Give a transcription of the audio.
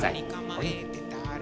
はい。